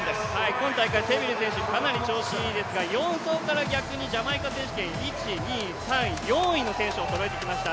今大会、セビル選手かなり調子いいですが４走から逆にジャマイカ選手権、１、２３、４位の選手をそろえてきました。